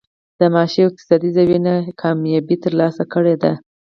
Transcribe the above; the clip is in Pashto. د معاشي او اقتصادي زاويې نه ئې کاميابي تر لاسه کړې ده